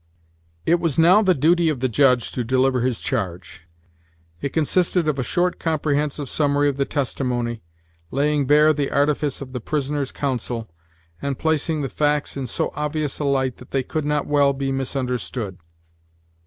It was now the duty of the Judge to deliver his charge. It consisted of a short, comprehensive summary of the testimony, laying bare the artifice of the prisoner's counsel, and placing the facts in so obvious a light that they could not well be misunderstood.